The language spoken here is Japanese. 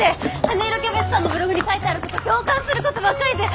羽色キャベツさんのブログに書いてあること共感することばっかりで。